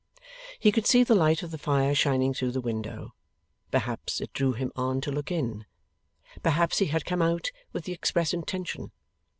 He could see the light of the fire shining through the window. Perhaps it drew him on to look in. Perhaps he had come out with the express intention.